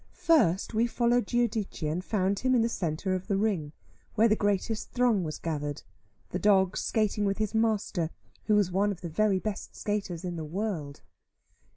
First we followed Giudice, and found him in the centre of the ring, where the greatest throng was gathered, the dog skating with his master, who was one of the very best skaters in the world.